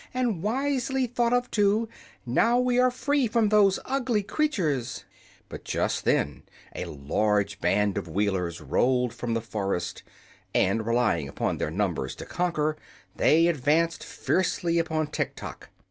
and wisely thought of, too. Now we are free from those ugly creatures." But just then a large band of Wheelers rolled from the forest, and relying upon their numbers to conquer, they advanced fiercely upon Tiktok.